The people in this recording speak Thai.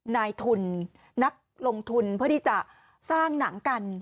นายทุนนักลงทุนเพื่อที่จะสร้างหนังกัน